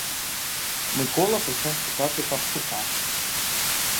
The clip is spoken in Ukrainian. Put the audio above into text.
Микола почав шукати капшука.